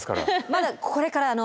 まだこれからあの。